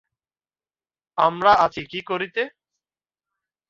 আমরা আছি কী করিতে?